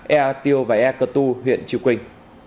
ea tiêu và ea cơ tu huyện trư quynh